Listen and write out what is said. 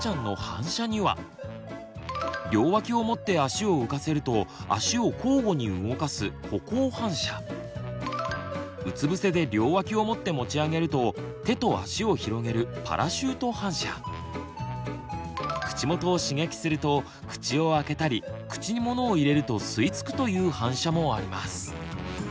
両脇を持って足を浮かせると足を交互に動かすうつ伏せで両脇を持って持ち上げると手と足を広げる口元を刺激すると口をあけたり口にものを入れると吸い付くという反射もあります。